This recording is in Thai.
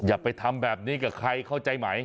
อย่าไปทำแบบนี้กับใครเข้าใจไหม